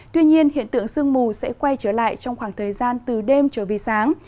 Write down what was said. tuy nhiên hiện tượng sương mù sẽ quay trở lại trong khoảng thời gian từ đêm trở về sáng